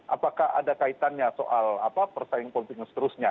apakah ada kaitannya soal apa persaingan politik yang seterusnya